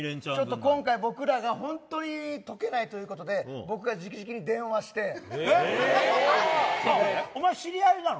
今回、僕らが本当に解けないということで僕が直々にお前、知り合いなの？